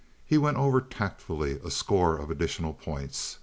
He went over, tactfully, a score of additional points.